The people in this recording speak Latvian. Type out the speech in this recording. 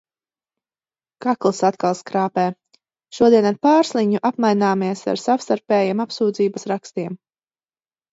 Kakls atkal skrāpē. Šodien ar Pārsliņu apmaināmies ar savstarpējiem apsūdzības rakstiem.